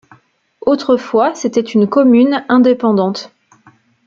Autrefois c'était une commune indépendante.